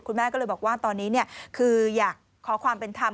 คุณแม่ก็เลยบอกว่าตอนนี้คืออยากขอความเป็นธรรม